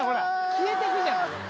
消えてくじゃんこれ。